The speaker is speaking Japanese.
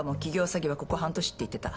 詐欺はここ半年って言ってた。